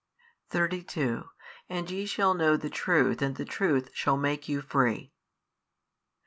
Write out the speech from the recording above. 32 And ye shall know the Truth and the Truth shall make you free.